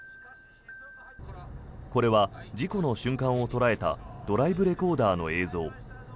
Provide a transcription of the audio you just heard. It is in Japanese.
これは、事故の瞬間を捉えたドライブレコーダーの映像。